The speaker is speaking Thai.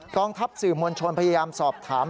ทัพสื่อมวลชนพยายามสอบถาม